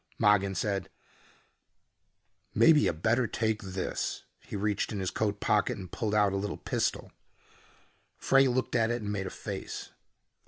Mogin said, "Maybe you better take this." He reached in his coat pocket and pulled out a little pistol. Frey looked at it and made a face.